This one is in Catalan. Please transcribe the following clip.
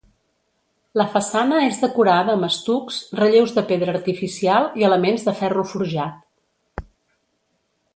La façana és decorada amb estucs, relleus de pedra artificial i elements de ferro forjat.